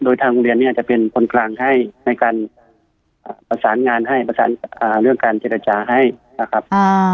โดยทางโรงเรียนเนี่ยจะเป็นคนกลางให้ในการประสานงานให้ประสานเรื่องการเจรจาให้นะครับ